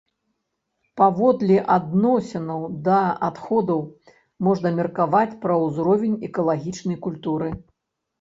Паводле адносінаў да адходаў можна меркаваць пра ўзровень экалагічнай культуры.